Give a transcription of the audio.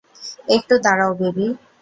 একটু দাঁড়াও, বেবি।